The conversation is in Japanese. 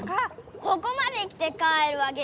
ここまで来て帰るわけないだろ。